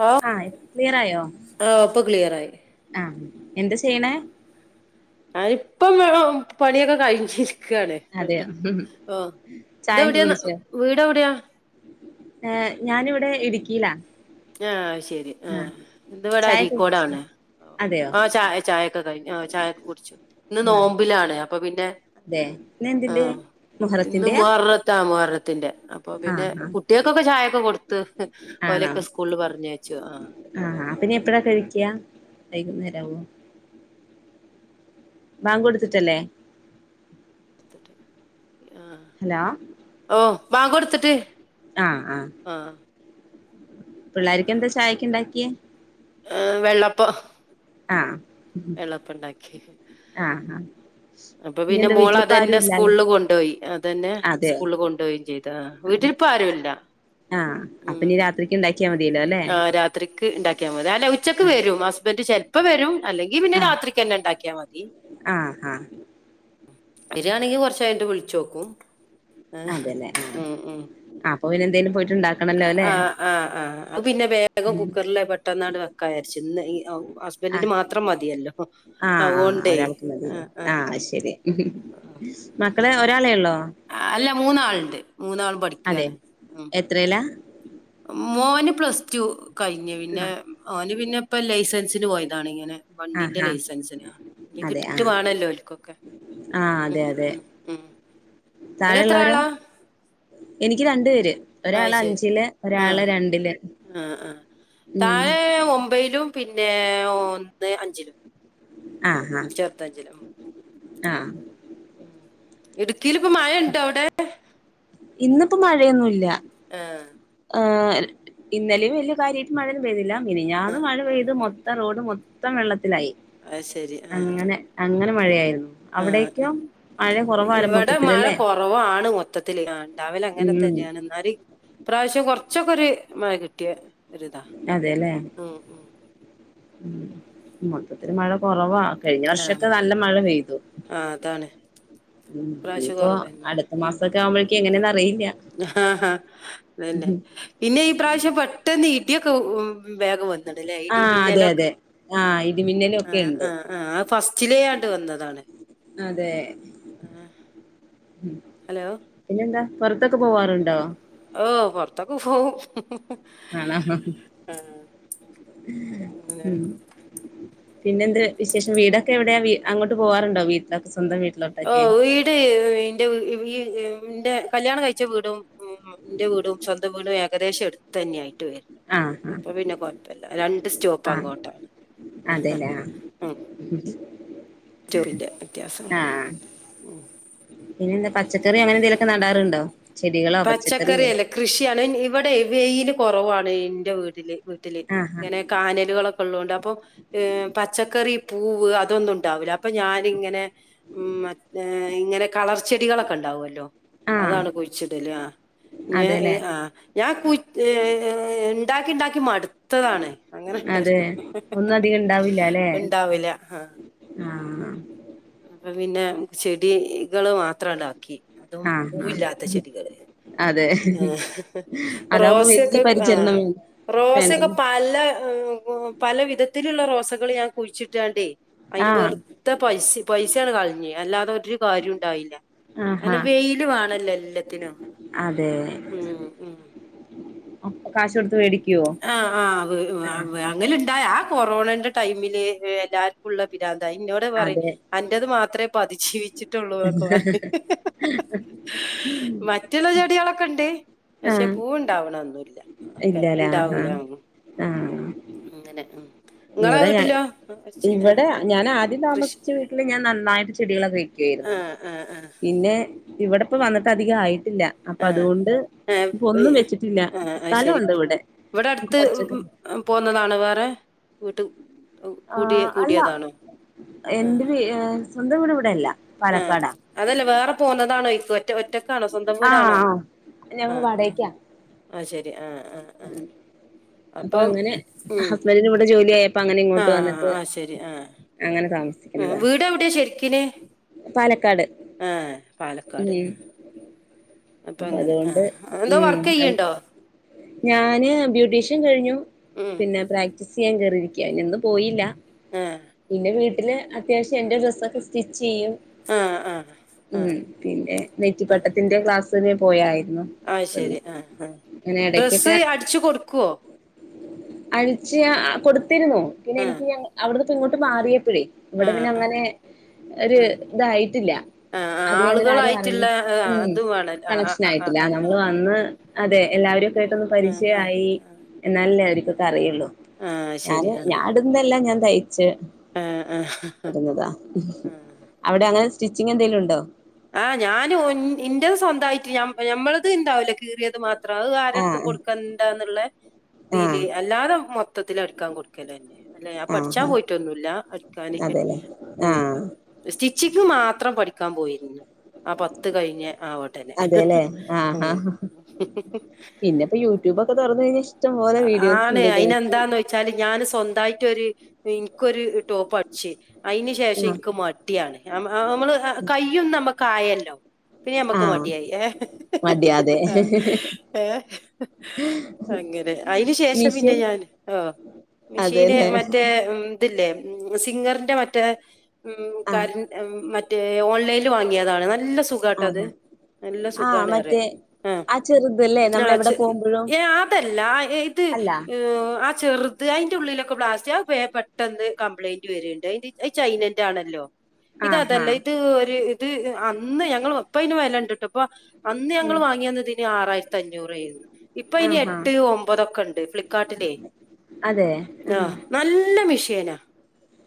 Hello ആഹ് clear ആയോ ആഹ് ഇപ്പൊ ക്ലിയറായി ആഹ് എന്താ ചെയ്യണെ ഞാൻ ഇപ്പം [unintelligible] പണിയൊക്കെ കഴിഞ്ഞ് ക്കാണ് അതെയോ ഓ ചായൊക്കെ ഇതെവിടെയ കുടിച്ചോ വീട് എവിടെയാ ഏഹ് ഞാനിവിടെ ഇടുക്കിയിലാ ആഹ് ശെരി ആഹ് ഇതിവിടെ ചായൊക്കെ കുടിച്ചോ അഴിക്കോടാണ് അതെയോ ആഹ് ചായ ചായൊക്കെ കഴിഞ്ഞു ആഹ് ചായൊക്കെ കുടിച്ചു ഇന്ന് ആഹ് നോമ്പിലാണ് അപ്പൊ പിന്നെ അതെ പിന്നെ എന്ത്ണ്ട് മുഹറത്തിന്റെയാ താ മുഹാറത്തിന്റെ അപ്പൊ പിന്നെ ആഹ് ആഹ് കുട്ടിയോക്കൊക്കെ ചായൊക്കെ കൊടുത്ത് ഓലൊക്കെ സ്കൂ പറഞ്ഞ് അയച്ചു ആഹ് ആഹ പിന്നെ എപ്പഴാ കഴിക്ക വൈകുന്നേരാവോ? ബാങ്കൊടുത്തിട്ടല്ലേ? ആ ഹലോ, ഓ ബാങ്ക് കൊട്ത്ത്ട്ട്. ആഹ ആഹ. ആഹ് പിള്ളാരിക്ക് എന്താ ചായക്ക് ണ്ടാക്കിയേ? ഏ വെള്ളപ്പം ആഹ് വെള്ളപ്പം ണ്ടാക്കി. ആഹ് ആഹ് അപ്പൊ ഇനി പിന്നെ എന്താ മോള വീട്ടിലിപ്പ അതന്നെ ആരും ഇല്ലാല്ലേ സ്കൂളിൽ കൊണ്ടോയി അതന്നെ അതെയോ സ്കൂളിൽ കൊണ്ടോയി. വീട്ടിലിപ്പം ആരും ഇല്ല. ആഹ് അപ്പൊ ഞ്ഞി രാത്രിക്ക് ണ്ടാക്കിയാൽ മതില്ലോ ല്ലെ? ആ രാത്രിക്ക് ഉണ്ടാക്കിയാ മതി അല്ല ഉച്ചക്ക് വരും ഹസ്ബൻറ് ചെലപ്പം വരും അല്ലെങ്കിൽ പിന്നെ ആഹ് രാത്രിക്കന്നെ ഉണ്ടാക്കിയാ മതി. ആഹ് ആഹ് വരിയാണെങ്കി കൊറച്ച കഴിഞ്ഞ വുള്ച്ചോക്കും. അതെല്ലേ ആഹ. അപ്പൊ വര് എന്തെലും പോ [unintelligible] ആ ആ ആ പിന്നെ വേഗം കുക്കറില് പെട്ടന്നാട് വെ കജര്ച്ചു ഇന്ന്. ആ ഹസ്ബൻറ്റിനു ആഹ് മാത്രം മതിയല്ലോ ആഹ് ആതോണ്ടെ ആ ആ ആ മക്കളെ ഒരാളേ ള്ളോ അല്ല മൂന്നാളുണ്ട്. മൂന്നാളും പഠിക്ക അതെ എത്രയല? മോന് പ്ലസ് ടു കഴിഞ്ഞു. പിന്നെ ആഹ് ഓന് പിന്നെ പ്പം ലൈസൻസിനു പോയതാണ് ഇങ്ങനെ, ആഹ് വണ്ടിന്റെ ആഹ് ലൈസൻസിനാ ഇനി അതെ കിട്ടിട്ട് ആഹ് വേണല്ലോ ഓൽക്കൊക്കെ? ആഹ് ഉ അതെ അതെ ഉം ഉം ങ്ങക്ക് എത്ര താഴെയുള്ളവരോ ആളാ? എനിക്ക് രണ്ടു പേര് ഒരാള് അഞ്ചില്, ആഹ ഒരാള് രണ്ടില് ആ ആ ഉം താഴെ ഒമ്പയിലും, പിന്നെ ഒന്ന് അഞ്ചിലും. ആഹ് ഹാ ഉം, ആഹ് ഇടുക്കിയിലിപ്പം മഴണ്ടോ അവിടെ? ഇന്നിപ്പോ മഴയൊന്നുല്ല. ആഹ് ആ ഇന്നലെയും വലിയ കാര്യായിട്ട് മഴ ഒന്നും പെയ്തില്ല. ആ മിനിഞ്ഞാന്ന് മഴ പെയ്ത് മൊ ത്ത റോഡ് മൊത്തം വെള്ളത്തിലായി. അത് ശരി. ആ അങ്ങനെ അങ്ങനെ ആ മഴയായിരുന്നു. ആ ആ. അവിടേക്കോ മഴ കുറവാരുന്നു മൊത്തത്തില് ല്ലെ? ഓ കുറവാണ് മൊത്തത്തില് ആ ഉണ്ടാല്ല അങ്ങനെ ഉം തന്നെയാണ് ന്നാല് ഇപ്രാവശ്യം കൊറച്ചൊക്കെരു മഴ കിട്ടിയ- ഒരിതാ. അതെല്ലേ, ഉം ഉം. മൊത്തത്തില് മഴ കൊറവാ. കഴിഞ്ഞ ആ വർഷൊക്കെ നല്ല മഴ പെയ്തു ആ അതാണ്. ഉം ഇപ്രാവശ്യം ഇനിയിപ്പൊ കുറവന്നെ. അടുത്ത മാസൊക്കെ ആവുമ്പോഴക്കും എങ്ങനെയാണെന്ന് അറിയില്ല. ആഹ ഹാ അതന്നെ ഉം പിന്നെ ഈ പ്രാവശ്യം പെട്ടെന്ന് ഇടിയൊക്കെ ഉ വേഗം വന്നു. ല്ല ആ ഐഡി അതെ മിന്നലെക്കെ അതെ ആ ഇടിമിന്നലും ആ ഒക്കെ ഉണ്ട് ആ ആ ഫസ്റ്റ്റ്റിലേ ആണ്ട് വന്നതാണ്. അതെ. ആ. ഹലോ, പിന്നെന്താ പൊറത്തൊക്കെ പോവാറുണ്ടോ? ഓ പൊറത്തൊക്കെ പോവും. ആണ ആ അങ്ങനെ. ഉം. പിന്നെ എന്ത് വിശേഷം? വീടൊക്കെ എവിടെയാ? വീ അങ്ങോട്ട് പോവാറുണ്ടോ വീട്ടിലൊക്കെ സ്വന്തം വീട് ഓ വീട് വീ ന്റെ ഈന്റെ കല്യാണം കഴിച്ച വീടും എന്റെ വീടും സ്വന്തം വീടും ഏകദേശം അടു തന്നെയായിട്ട് വരണം ആ അപ്പ പിന്നെ കൊഴപ്പില്ല രണ്ട് സ്റ്റോപ്പ് ആ ആ അങ്ങോട്ടാണ്. അതെല്ലേ ഉം റ്റുവിന്റെ വ്യത്യാസം ആ ആ ഉം പിന്നെ എന്താ പച്ചക്കറി അങ്ങനെ എന്തേലുമൊക്കെ നടാറുണ്ടോ? ചെടികളോ പച്ചക്കറിയോ പച്ചക്കറിഅല്ല കൃഷിയാണ് ഇവിടെ വെയില് കുറവാണ് എന്റെ വീട്ടില് ത്തില് ആഹാ ഞാനെ കാനേലു വളത്തുന്നുണ്ടപ്പോ ഏഹ് പച്ചക്കറി, പൂവ്, അതൊന്നും ഉണ്ടാവില്ല അപ്പൊ ഞാനിങ്ങനെ മം മ ഇങ്ങനെ കളർച്ചെടികളൊക്കെ ഉണ്ടാവുമല്ലോ? ആഹ് അതാണ് കുഴിച്ചിടല്. ആ ഞ എ അതെല്ലേ ആഹ് ആഹ് ഞാൻ കു ഏ ഉണ്ടാക്കി ഉണ്ടാക്കി മാടുത്തു. ത്തതാണ് അങ്ങനെ അതെ ഇട്ടത് ഒന്നും അധികം ഉണ്ടാവില്ല. അഹ് പിന്നാ അപ്പൊ പിന്നെ ചെടികള് മാത്രം ഇതാക്കി അതും ആഹ് ആ പൂവില്ലാത്ത ചെടികള്. അതെ ആ അതാവുമ്പോ വലിയ റോസയൊക്കെ പരിചരണം ആഹ് വേണ്ട റോസൊക്കെ വേണ്ടല്ലോ പല പല വിധത്തിലുള്ള റോസകൾ ഞാൻ കുഴിച്ചിട്ടാണ്ടേ അതിന് ആഹ് വെറുത പൈസ പൈസയാണ്ട് കളിഞ് അല്ലാതെ ഒരു കാര്യം ഉണ്ടായില്ല. ആഹാ അങ്ങനെ വെയില് വേണല്ലോ എല്ലാത്തിനും. അതെ ഉം ഉം അപ്പം കാശ് കൊടുത്ത് മേടിക്കുവോ ആഹ് ആഹ് അ ആഹ് വ് അങ്ങനുണ്ടായ ആ കൊറോണന്റെ ടൈമില് എല്ലാർക്കും ഉള്ള പിരാന്ത ഇന്നോട് പറ അതെ അൻറത് മാത്രമേ പതിജീവിച്ചിട്ടുള്ളൂ ന്ന്ക്കെ പറയും മറ്റുള്ള ചെടികളൊക്കെ ഉണ്ട്. പക്ഷെ ആഹ് പൂവുണ്ടാവണതൊന്നുല്ല. ഒക്കെ ഇല്ലല്ലേ ആഹാ ഉണ്ടാവൂല ആഹ് അങ്ങനെ ഉം. നിങ്ങടെ ഇവിടെ ഞാൻ വീട്ടിലോ? ആ, ചെ- ആ, ഇവിടെ ഞാൻ ആദ്യം കൃഷി താമസിച്ച വീട്ടില് ഞാൻ നന്നായിട്ട് ചെടികളെ മേയ്ക്കുവായിരുന്നു. ആഹ് ആഹ് ആഹ് പിന്നെ ഇവിടെപ്പ ആഹ് വന്നിട്ട് അധിക ആയിട്ടില്ല. അപ്പൊ ആഹ് അതുകൊണ്ട് ആഹ് ഇപ്പ ഒന്നും വെച്ചിട്ടില്ല. ആഹ് അത് സ്ഥലുണ്ട് ഇവിടെ പച്ചക്ക ആ പോന്നതാണ് വേറെ വീട്ടി ആ അല്ല ആഹ് എന്റെ സ്വന്തം വീട് ഇവിടെയല്ല പാലക്കാടാ. അതല്ലേ വേറെ പോന്നതാണോ ഒറ്റ ഒറ്റക്കാണോ? സ്വന്തം ആഹ് വീടാണോ? ആ ഞങ്ങള് ആഹ് ആ വാടകക്കാ ആ ശരി ആ അപ്പൊ അങ്ങനെ ഉം ഹസ്ബൻഡിനിവിടെ ജോലി ആയ അപ്പ അങ്ങനെ ഇങ്ങോട്ട് ആഹ് വന്നിട്ട് ആഹ് അങ്ങനെ താമസിക്കന്നതാ. ഇക്കഎവിടെയാ ശരിക്കിന്? പാലക്കാട് ആഹ് പാലക്കാട് ഉം ആ അപ്പൊ അങ്ങനെ അതുകൊണ്ട് ആഹ് എന്തോ വർക്ക് ഉംഅത് ചെയ്യ്ണ്ടോ ഞാന് ബ്യൂട്ടീഷ്യൻ കഴിഞ്ഞു. ഉം പിന്നെ പ്രാക്ടീസ് ചെയ്യാൻ കേറിയിരിക്ക. ഇന്നു പോയില്ല. ആഹ് പിന്നെ വീട്ടില് അത്യാവശ്യം എന്റെ ഡ്രസ്സൊക്കെ സ്റ്റിച്ച് ചെയ്യും. ആഹ് ആഹ് ആഹ് ഉം. പിന്നെ നെറ്റിപ്പട്ടത്തിന്റെ ക്ലാസ്സ് ന് പോയായിരുന്നു. അയ്ശരി ആഹ് ഹാ അങ്ങനെ ഇടക്കൊക്കെ അഴിചിയ കൊടുത്തിരുന്നു പിന്നെ ആ എനിക്ക് അവിടുന്ന് ഇപ്പ ഇങ്ങോട്ട് മാറിയപ്പഴേ ആ ഇവിടെ പിന്നെ ആ അങ്ങനെ ഒരു ആ ഇതായിട്ടില്ല. ആ ആ അധികം അങ്ങനെ ആരും ആളുകളായിട്ടുള്ള അറിഞ്ഞു ആ ഉം. അത് വേണം ആ കണക്ഷൻ ആ ആ ആ ആ ആയിട്ടില്ല ആ ആ നമ്മള് വന്ന് അതെ എല്ലാ വരെക്കെട്ടൊന്നു ആ ആ പരിചയമായി ആ എന്നാലല്ലേ അവരൂക്കൊക്കെ അറിയുള്ളൂ. ആ ശരി ഞാന് ആ ഞാന ഇന്നെല്ലാം ഞാൻ തയ്ച്ച് ആ ആ ആ വരുന്നതാ ആ. അവിടെ അങ്ങനെ സ്റ്റിച്ചിങ് എന്തേലും ഉണ്ടോ ആഹ് ഞാനോൻ ഇന്റെത് സൊന്തയിട്ട് ഞമ്മളത് ഇന്താവൂലെ കീറിയത് മാത് അത്ര ആരെടുത്ത് ആഹ് കൊടുക്കണ്ടാന്നുള്ള ഇതില് ആഹ് അല്ലാതെ മൊത്തത്തി അടിക്കാൻ കൊടുക്കലെന്നെ അല്ല ഞാൻ പഠിച്ചാ ആഹ് പോയിട്ടൊന്നുല്ല അടിക്കാന് അതെല്ലേ ആഹ് സ്റ്റിച്ചിങ്ങ് മാത്രം പഠിക്കാൻ പോയിരുന്നു ആഹ് പത്ത് കഴിഞ്ഞെ ആവട്ടെന്നെ അതെല്ലേ ഉം പിന്നെപ്പൊ യൂട്യൂബൊക്കെ തൊറന്ന് കഴിഞ്ഞ ഇഷ്ടം പോലെ വീഡിയസ് ഇണ്ട് തോന്നു എന്താന്ന് വെച്ചാല് ഞാന് സ്വന്തമായിട്ടൊ ര് ഇനിക്കൊരു ടോപ്പ് അടിച്ച് അയിന് ശേഷം ആഹ് എനിക്ക് മടിയാണ് നമ്മള് കയ്യൊന്ന് നമ്മക്ക് ആയല്ലോ പിന്നെ ആഹ് മ്മക്ക്മാടിയായി ഏഹ് മടിയാ അതെ ഏഹ് അങ്ങനെ അയിന് ശേഷം പിന്നെ മിഷ്യൻ ഞാൻ ആ മിഷീന് അതെല്ലേ മറ്റേ ഉം തില്ലേ സിംഗറിന്റെ മറ്റേ ആഹ് മറ്റേ ഓൺലൈനിൽ വാ - ബാങ്ങിയതാണ് നല്ല സുഖാട്ട അത് ആഹാ നല്ല ആഹ് സുഖാണ് റയ മറ്റേ ആഹ് ആ ചെറുതല്ലേ നമ്മൾ ആഹ് എവിടെ ചെ പോകുമ്പോഴും ഏഹ് അതല്ല ഇത് അല്ല അ ചെറുത് അതിന്റെ ഉള്ളിലൊക്കെ ബ്ലാസ്റ്റ് അയ് ബേം പെട്ടെന്ന് കംപ്ലയിന്റ് വരണ്ട് അയിന്റെ ചൈനന്റെ ആണല്ലോ ആഹാ ഇതതല്ല ഇത് ഒരു ഇത് അന്ന് ഞങ്ങ ഒപ്പഅയ് നു വെലണ്ടിട്ട് അപ്പൊ അന്ന് ഉം ഞങ്ങള് വാങ്ങി അന്നതിന് ആറായിരത്തി അഞ്ഞൂറായിരുന്നു ഇപ്പൊ അയിനി ആഹാ എട്ട് ഒമ്പതൊക്കെ ഉണ്ട് ഫ്ളി കാട്ടിലേ അതെ ആഹ് നല്ല മിഷീനാ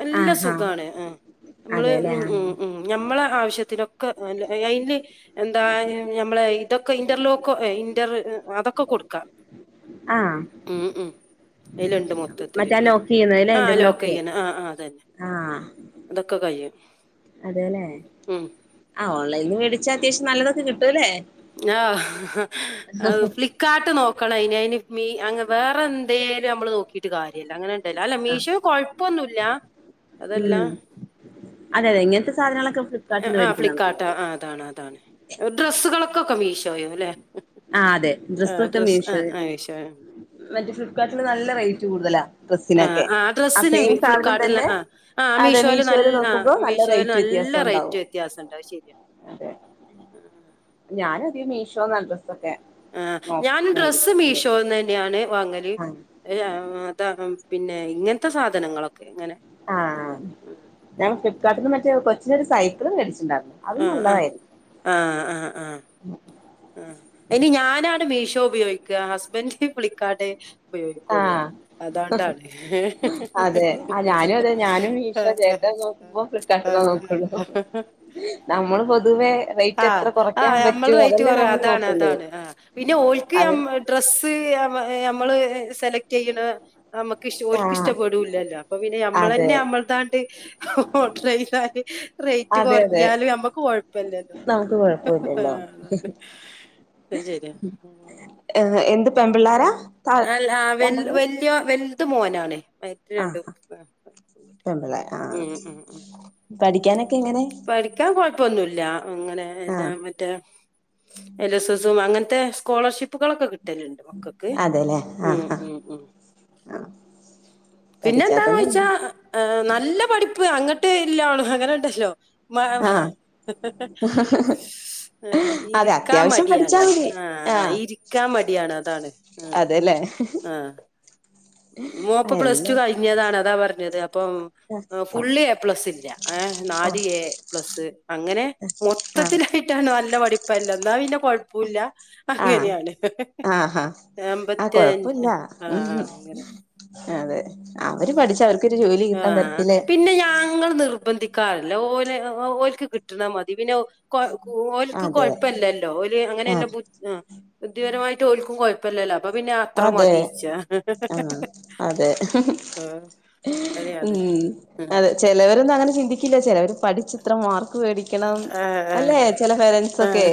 നല്ല ആഹാ സുഖണ് ആഹ് മ്മള് അതെല്ലേ ആഹ് ഉം ഉം ഞമ്മളെ ആവശ്യത്തിനൊക്കെ അയില് എന്താ ഞമ്മളെ ഇതൊക്കെ ഇന്റർലോക്കൊ ഇന്ററ് അതൊക്കെ കൊടുക്കാം ആഹ് ഉം ഉം അതിലുണ്ട് മൊത്തത്തില് മറ്റേ ആ ലോക്ക് ചെയ്യുന്നത് ല്ലേ ആഹ് ലോക്ക് ഇന്റർലോക്ക് ചെയ്യണെ ആ്ഹ് അതന്നെ തൊക്കെ കയ്യും അതെല്ലെ ആഹ് ഓൺലൈനിന്ന് മേടിച്ചാ അത്യാവശ്യം നല്ലതൊക്കെ കിട്ടുല്ലേ ആഹ് അത് ഫ്ളി ക്കാട്ട് നോക്കണ അയിന് അതിന് മീ അ വേറെ എന്തേലും മ്മള് നോക്കിട്ട് കാരില്ല അങ്ങനെ അതല്ല അല്ല ആഹ് മീഷോം കൊഴപ്പൊന്നുല്ല അതല്ല ഉം അതെ അതെ ഇങ്ങനത്തെ സാധനങ്ങളൊക്കെ ആഹ് ഫ്ലിപ്കാർട്ടിന്ന് ആഹ് മേടിക്കുന്നതാ ഫ്ലിപ്കാർട്ട് നല്ലത് അതാണ് അതാണ് ഡ്രസ്സുകള്ക്കെക്കെ മീശോയോ അല്ലെ ആഹ് അതെ ഡ്രസ്സൊക്കെ മീഷോൽ മീഷോ മറ്റേ ഫ്ലിപ്കാർട്ടില് നല്ല റേറ്റ് കൂടുതലാ ആഹ് ഡ്രസ്സിനൊക്കെ ആഹ് ആ ഡ്രസ്സിന് സെയിം സാധനം ഫ്ലിപ്പ്കാർട്ടിന് തന്നെ ആഹ് ആഹ് അതെ മീഷോയിൽ നല്ല ആഹ് നോക്കുമ്പോ നല്ല മീഷോല് റേറ്റ് നല്ല വ്യത്യാസം റേറ്റ് ഉണ്ടാവും വ്യത്യാസുണ്ട് അയ് ശരിയ അതെ ആഹ് ഞാനതികോം മീഷോന്ന ഡ്രസ്സൊക്കെ ആഹ് നോ ഞാനും ഡ്രസ്സ് മേടിക്കുന്നത് മീഷോന്ന് തന്നെയാണ് വാങ്ങല് ആഹ് പിന്നെ ഇങ്ങനത്തെ സാധനങ്ങളൊക്കെ ഇ ങ്ങനെ ആഹ് ഞാൻ ഫ്ളികാർട്ടിന്ന് മറ്റേ കൊച്ചിനൊരു സൈക്കിള് മേടിച്ചിണ്ടാരുന്നു അത് ആഹ് ആഹ് നല്ലതായിരുന്നു ആഹ് ആഹ് ആഹ് ആഹ് ഇനി ഞാനാണ് മീഷോ ഉപയോഗിക്ക ഹസ്ബൻഡ് ഫ്ലിപ്പ്കാർഡ് ഉപയോഗിക്കുള്ളൂ ആഹ് അതാണ്ടാണ് അതെ ആ അപ്പ ഫ്ലിപ്പ്കാർട്ട്ന്നാ നോക്കിള്ളു നമ്മള് പൊതുവേ റേറ്റ് എത്ര കുറയ്ക്കാൻ പറ്റോ റ്റ് കുറവാ അതാണ് അതാണ് ആ പിന്നെ ഓൽക്ക് അവര് ന ഡ്രസ്സ് നമ്മള് സെലക്ട് ചെയ്യണോ നമ്മുക്ക് ഇഷ് ഓലിക്ക് ആഹ് ഇഷ്ടപ്പെടൂല്ലല്ലോ അപ്പൊ പിന്നെ മ്മൾ അതെ തന്നെ നമ്മൾതാണ്ട് ഓഡ്രർ ചെയതാല് റേറ്റ് അതെ അതെ കുറഞ്ഞാല് നമ്മക്ക് കൊഴപ്പല്ലല്ലോ നമുക്ക് കുഴപ്പോല്ലല്ലോ അയ് ശരിയാ ഉം ഏഹ് എന്ത് പെൺപിള്ളേരാ അഹ് ആഹ് വല്യ വല്ത് മോനാണ് ഈ രണ്ടും ആഹ് പെ പെൺകുട്ടികളാ ഉം ഉം ഉം പഠിക്കാനൊക്കെങ്ങനെ പഠിക്കാൻ കൊഴപ്പൊന്നുല്ല അങ്ങനെ എല്ല ആഹ് മറ്റേ എൽ എസ് എസും അങ്ങനത്തെ സ്കോളർഷിപ്പുകളൊക്കെ കിട്ടും കിട്ടല്ണ്ട് മക്കക്ക് അതെല്ലേ ആഹ് ഉം ആഹ് ഉം ഉം ആഹ് പിന്നെ പഠിച്ചാ എന്താന്ന് തന്നെ ചോയിച്ചാ ഉള്ളൂ നല്ല പഠിപ്പ് അങ്ങട്ട് എല്ലണ് അങ്ങനെ ഉണ്ടല്ലോ ആഹ് [unintelligible] ഏഹ് അതെ ഇരിക്കാ അത്യാവശ്യം പഠിച്ചാ മടിയാണ് മതി ആഹ് ഇരിക്കാ മടിയാണ് അതാണ് ആഹ് അതെല്ലേ ആഹ് [unintelligible] പ്ലസ് ടു എല്ലാം കഴിഞ്ഞതാണ് അതാ പറഞ്ഞത് അപ്പം ഫുള്ള് എ പ്ലസ്സില്ല ഏഹ് ഓ നാല് എ പ്ലസ് അങ്ങനെ ആ മൊത്തത്തിലായിട്ടാണ് നല്ല പഠിപ്പല്ല എന്നാ പിന്നെ കൊഴപ്പൊല്ല ആ അങ്ങനെയാണ് ആഹാ ആ അമ്പത്തി അഞ്ച് കൊഴപ്പില്ല ആഹ് ഉം ആഹ് അങ്ങനെ അതെ അവര് ഉം പഠിച്ച അവർക്കൊരു ജോലി കിട്ടാൻ ആഹ് തരത്തില് പിന്നെ ഞങ്ങൾ നിർബന്ധിക്കാറില്ല ഓര് ഓർക്ക് കിട്ടുണ മതി പിന്നെ ഓല്ക്ക് അതെ കൊഴപ്പല്ലല്ലോ ഓല് ആ അങ്ങനെയല്ലു ബുദ്ധിപരമായിട്ട് ഓൽക്കും കുഴപ്പം കൊഴപ്പല്ലല്ലോ അപ്പൊ പിന്നെ അത്ര മതിച്ചാ ആഹ് അതെ അങ്ങനെയാണ് ഉം ഉം അതെ ചിലവരൊന്നും അങ്ങനെ ചന്തിക്കില്ല ചിലവർ പഠിച്ച് ഇത്ര മാർക്ക് മേടിക്കണം ആഹ് ആഹ് അല്ലെ ചെല പാരൻസൊക്കെ ആഹ്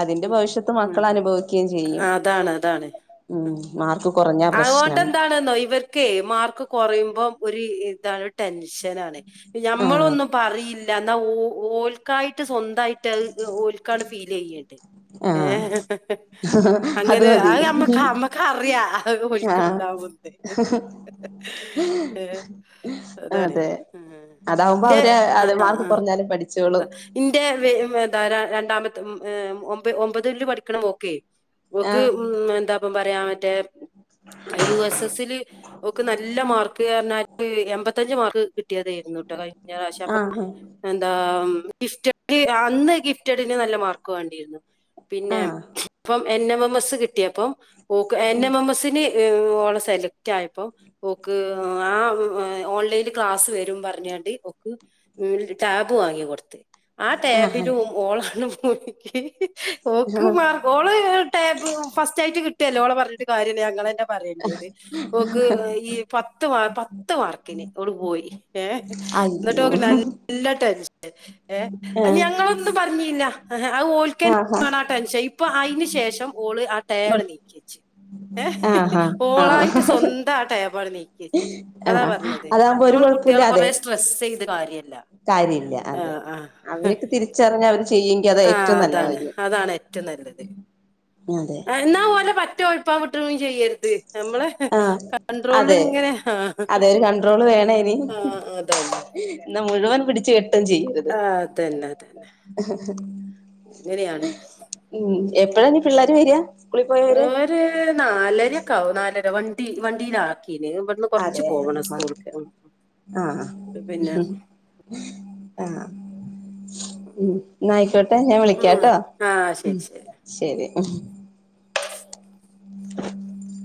അതിന്റെ ഉം ഭവിഷ്യത്ത് മക്കൾ ഉം അനുഭവിക്കുകയും ചെയ്യും അതാണ് അതാണ് ഉം മാർക്ക് കുറഞ്ഞാ പ്രശ്നം ന്നോ ഇവർക്കെ മാർക്ക് കുറയുമ്പോ ഒരു ഇതാണ് ടെൻഷനാണ് ആ ഞമ്മളൊന്നും പറയില്ല എന്നാ ഓ ഓൽക്കായിട്ട് സ്വന്തായിട്ട് ട്ടത് ഓൽക്കാണ്ട് ഫീൽ ചെയ്യട്ടെ ആ ഏഹ് അത് അങ്ങനെ മതി അയിമ്മക്ക് അമ്മക്കറിയ അത് ആ ഓർക്കുണ്ടാവൂന്ന് ഏഹ് അതാണ് അതെ അതാവുമ്പോ അവര് ആഹ് മാർക്ക് ആഹ് കുറഞ്ഞാലും പഠിച്ചോളും താ ഇന്റെ ത രണ്ടാമത്തെ ഒ ഒമ്പതിൽ പഠിക്കണ മോക്കെ ഓക്ക് ആഹ് ഉം എന്താപ്പ പറയാ മറ്റേ [inaudible] യു എസ് എസ്സില് ഒക്ക് നല്ല മാർക്ക് പറഞ്ഞാല് എൺമ്പത്തഞ്ച് മാർക്ക് കിട്ടിയതായിരുന്നുട്ടോ കയി നാശാപ്പം ആഹാ എന്താ ഗിഫ്റ്റ് അന്ന് ഗിഫ്റ്റിട്ടീനെ നല്ല മാർക്ക് വേണ്ടിയിരുന്നു പിന്നെ ആഹ് ഇപ്പം എൻ എം എം എസ് കിട്ടിയപ്പം ഓക്ക് എൻ എം എം എസിന് ഓള സെലക്ടായപ്പോ ഓക്ക് ആഹ് ഓൺലൈനി ക്ലാസ് വരും പറഞ്ഞാണ്ട് ഓക്ക് ഉം ടാബ് വാങ്ങി കൊടുത്ത് ആഹ് ടാബിലും ഓളങ്ങ് മുഴുകി ഓക്ക് ആഹ് മാർ ഓള് ടാബ് ഫസ്റ്റ് ആയിട്ട് കിട്ടിയല്ലോ ഓള് പറഞ്ഞിട്ട് കാര്യമില്ലേ ഞങ്ങെന്നെ പറയേണ്ടിയത് ഓക്ക് ഈ പത്ത് മാർ പത്ത് മാർക്കിന് ഓള് പോയി ഏഹ് അയ്യോ എന്നിട്ട് ഓക്ക് നല്ല ടെൻഷന്ണ്ട് ഏഹ് ആഹ് ഞങ്ങളൊന്നും പറഞ്ഞില്ല അത് ആഹാ ആഹ് ടെൻഷൻ ഇപ്പൊ അയിന് ശേഷം ഓള് ആഹ് ടേബവിടെ നീക്കിവച്ച് ഏഹ് ആഹാ ആഹ് ഓളായിട്ട് സ്വന്താ ടേബാട നീക്കിവെച്ച് അതാ ആഹ് പറഞ്ഞത് അതാവുമ്പോ ഒരു നമ്മൾ കുട്ടികള് കൊറെ സ്ട്രെസ്സ് ചെയ്ത് കാര്യവില്ല കാര്യമില്ല അതെ അതെ അവരൊക്കെ തിരിച്ചറിഞ്ഞ അവര് ചെയ്യെങ്കി അതാ ആഹ് ഏറ്റവും നല്ല അതാണ് കാര്യം അതാണ് ഏറ്റവും നല്ലത് അതെ എന്നാ പോലെ പറ്റേ ഉഴുപ്പും വിട്ടയും ചെയ്യരുത് നമ്മള് ആഹ് കൺട്രോളിൽ അതെ ഇങ്ങനെ ആഹ് അതെ ഒരു കൺട്രോള് വേണം ഇനി അങ്ങട്ട്തന്നെ എന്നാ മുഴുവൻ പിടിച്ചു കെട്ടും ചെയ്യും അതന്നെ അതന്നെ ഇങ്ങനെയാണ് ഉം എപ്പഴാ നീ പിള്ളേര് വരിക സ്കൂളിൽ പോയവര് നാലരയക്കാവും നാലര വണ്ടി വണ്ടിയില് ആക്കീന് ഇവിന്ന് കുറച്ച് അതെ പോവണം ആഹ് സ്കൂൾക്ക് ആഹ് പിന്നെ ആഹ് ഉ. ആയിക്കോട്ടെ ഞാൻ ഉം വിളിക്കാട്ടോ ആ ഉം ശരി ശരി ശരി ഉം [inaudible]